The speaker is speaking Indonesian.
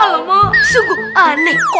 alamak sungguh aneh